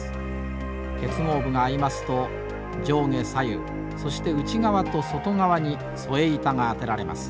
結合部が合いますと上下左右そして内側と外側に添え板が当てられます。